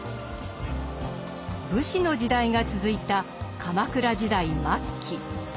武士の時代が続いた鎌倉時代末期。